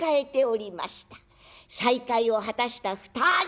再会を果たした２人。